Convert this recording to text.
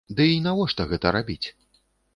Ды, і навошта гэта рабіць?